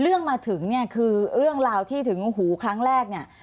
มาถึงเนี่ยคือเรื่องราวที่ถึงหูครั้งแรกเนี่ย